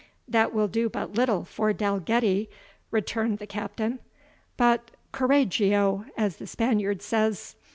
"That will do but little for Dalgetty," returned the Captain; "but corragio! as the Spaniard says.